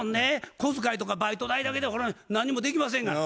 小遣いとかバイト代だけで何もできませんがな。